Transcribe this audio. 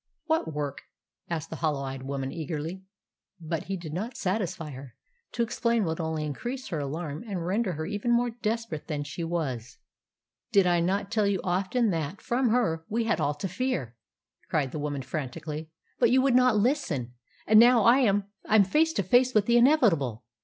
"What work?" asked the hollow eyed woman eagerly. But he did not satisfy her. To explain would only increase her alarm and render her even more desperate than she was. "Did I not tell you often that, from her, we had all to fear?" cried the woman frantically. "But you would not listen. And now I am I'm face to face with the inevitable.